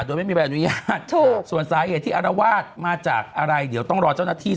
โดยไม่มีใบอนุญาตถูกส่วนสาเหตุที่อารวาสมาจากอะไรเดี๋ยวต้องรอเจ้าหน้าที่